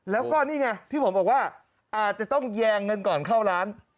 แล้วก็นี่ไงที่ผมบอกว่าอาจจะต้องแยงเงินก่อนเข้าร้าน